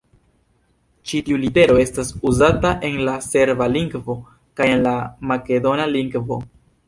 Ĉi tiu litero estas uzata en la serba lingvo kaj en la makedona lingvo.